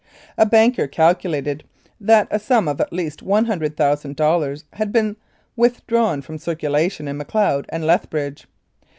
A banker calculated that a sum of at least one hundred thousand dollars had been withdrawn from circulation in Macleod and Lethbridge.